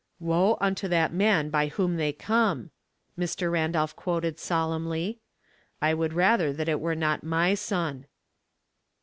'*"' Woe unto that man by whom they come,' " Mr. Randolph quoted solemnly. "I would rather that it were not my son."